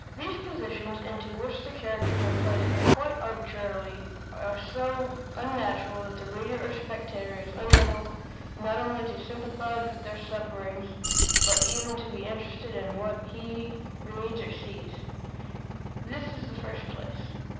These positions, into which the characters are placed quite arbitrarily, are so unnatural that the reader or spectator is unable not only to sympathize with their sufferings but even to be interested in what he reads or sees. This in the first place.